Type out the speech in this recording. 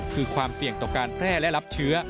คือความเสี่ยงต่อการแพร่และรับเชื้อ